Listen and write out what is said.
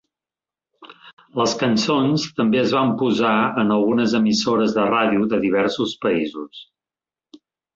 Les cançons també es van posar en algunes emissores de ràdio de diversos països.